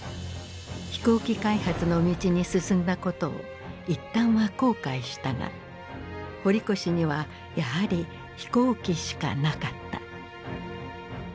飛行機開発の道に進んだことを一旦は後悔したが堀越にはやはり飛行機しかなかった。